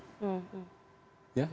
indonesia ini negara hukum